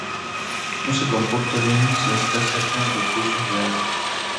No se comporta bien si está cerca de cursos de agua.